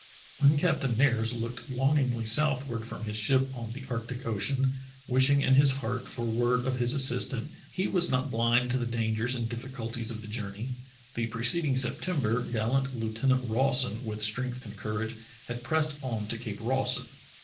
When Captain Nares looked longingly southward from his ship on the Arctic Ocean, wishing in his heart for word of his assistant, he was not blind to the dangers and diflBiCulties of the journey. The preceding Septem ber gallant Lieutenant Rawson with strength and cour age had pressed on to Cape Rawson.